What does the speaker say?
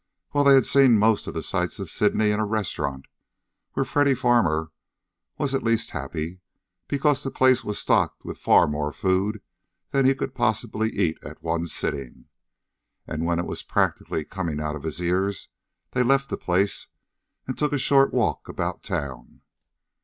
Well, they had seen most of the sights of Sydney in a restaurant where Freddy Farmer was at least happy, because the place was stocked with far more food than he could possibly eat at one sitting. And when it was practically coming out of his ears, they left the place and took a short walk about town.